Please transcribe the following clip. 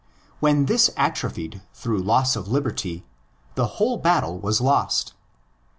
When this atrophied through loss of liberty, the whole battle was lost.